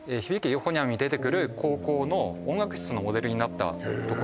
ユーフォニアム」に出てくる高校の音楽室のモデルになったとこですね